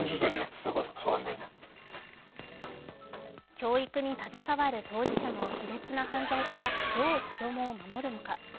教育に携わる当事者の卑劣な犯罪から、どう子供を守るのか。